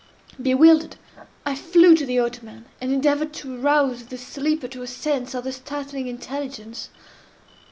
Bewildered, I flew to the ottoman, and endeavored to arouse the sleeper to a sense of the startling intelligence.